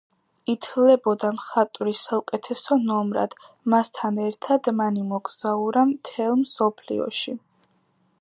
ითვლებოდა მხატვრის საუკეთესო ნომრად, მასთან ერთად მან იმოგზაურა მთელ მსოფლიოში.